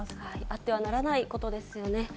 あってはならないことですよね。